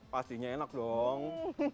pastinya enak dong